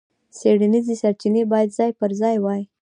څېړنیزې سرچینې باید ځای پر ځای وای.